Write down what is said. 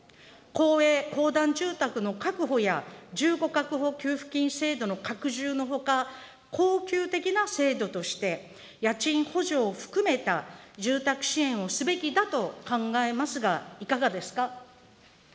公営・公団住宅の確保や、住居確保給付金制度の拡充のほか、恒久的な制度として、家賃補助を含めた住宅支援をすべきだと考えますがいかがですか。